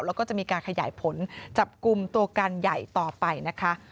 แล้วก็จะมีการขยายผลจับกลุ่มตัวการใหญ่ต่อไปนะคะ